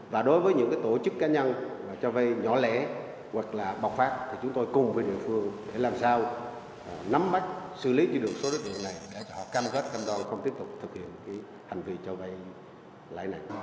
và đối với những tổ chức cá nhân cho vay nhỏ lẻ hoặc là bọc phát chúng tôi cùng với địa phương để làm sao nắm bắt xử lý được số đối tượng này để họ canh gót canh đoan không tiếp tục thực hiện hành vi cho vay lãi nạn